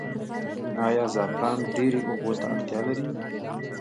آیا زعفران ډیرې اوبو ته اړتیا لري؟